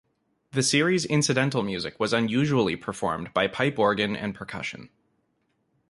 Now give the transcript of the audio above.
The series' incidental music was unusually performed by pipe organ and percussion.